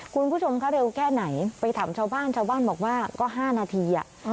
คุณผู้ชมคะเร็วแค่ไหนไปถามชาวบ้านชาวบ้านบอกว่าก็๕นาที